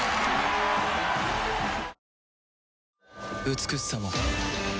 美しさも